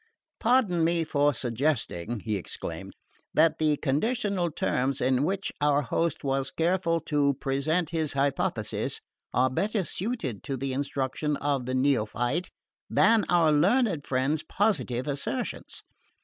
"Pardon me for suggesting," he exclaimed, "that the conditional terms in which our host was careful to present his hypotheses are better suited to the instruction of the neophyte than our learned friend's positive assertions.